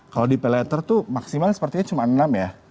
kalau di pay letter tuh maksimal sepertinya cuma enam ya